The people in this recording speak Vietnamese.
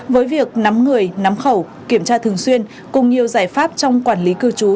với việc nắm người nắm khẩu kiểm tra thường xuyên cùng nhiều giải pháp trong quản lý cư trú